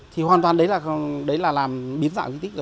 thì hoàn toàn đấy là làm biến dạng kinh tích rồi